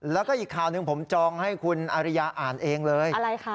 แล้วก็อีกข่าวหนึ่งผมจองให้คุณอริยาอ่านเองเลยอะไรคะ